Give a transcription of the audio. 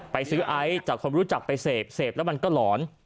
ไปซื้อไอซ์จากคนรู้จักไปเสพเสพแล้วมันก็หลอน